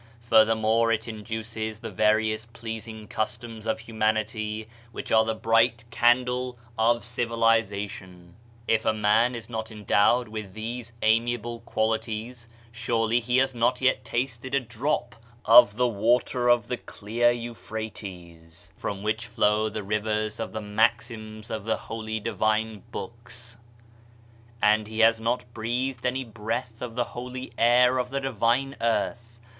Further more, it induces the various pleasing customs of humanity which are the bright candle of civiliza tion. If a man is not endowed with these amiable qualities, surely he has not yet tasted a drop of die water of the clear Euphrates, from which flow the rivers of the maxims of the holy divine Books, and he has not breathed any breath of the holy air of the divine earth.